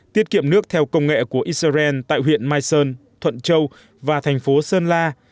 tiết kiệm nước theo công nghệ của israel tại huyện mai sơn thuận châu và thành phố sơn la